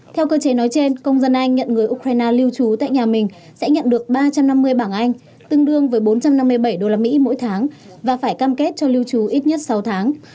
theo cơ chế nói trên công dân anh nhận người ukraine lưu trú tại nhà mình sẽ nhận được ba trăm năm mươi bảng anh tương đương với bốn trăm năm mươi bảy usd mỗi tháng và phải cam kết cho lưu trú ít nhất sáu tháng